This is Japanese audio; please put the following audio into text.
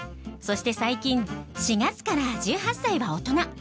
そして最近「４月から１８歳は大人。